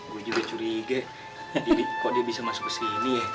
gue juga curiga jadi kok dia bisa masuk ke sini ya